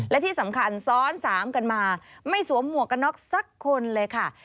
และที่สำคัญซ้อนสามกันมาไม่สวมหมวกกันน็อกสักคนเลยค่ะ